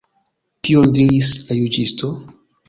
Kion diris la juĝisto?